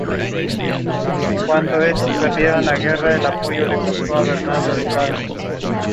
Charilaos Trikoupis Messolonghi.